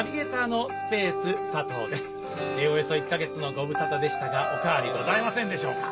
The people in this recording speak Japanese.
およそ１か月のご無沙汰でしたがお変わりございませんでしょうか。